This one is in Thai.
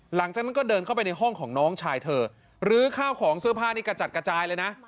หลังจากนั้นก็เดินเข้าไปในห้องของน้องชายเธอลื้อข้าวของเสื้อผ้านี้กระจัดกระจายเลยนะ